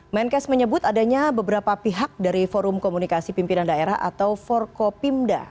menkes menyebut adanya beberapa pihak dari forum komunikasi pimpinan daerah atau forkopimda